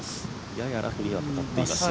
ややラフには立っています。